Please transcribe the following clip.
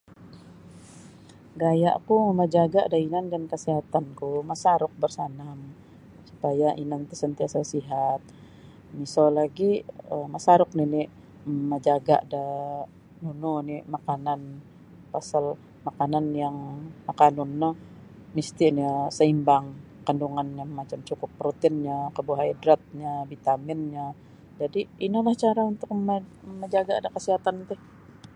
Gaya'ku mamajaga' da inan dan kasihatanku masaruk barsanam supaya inan ti santiasa' sihat miso lagi um masaruk nini' mamajaga' da nunu oni' makanan pasal makanan yang akanun no misti' nio saimbang kandungannyo macam cukup proteinnyo karbohidratnyo bitaminnyo jadi' ino nio cara untuk mama mamajaga' da kasihatan ti.